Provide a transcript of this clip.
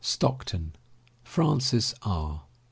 STOCKTON, FRANCIS R.